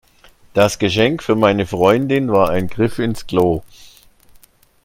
Das Geschenk für meine Freundin war ein Griff ins Klo.